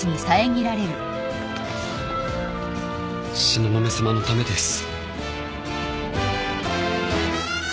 東雲さまのためです。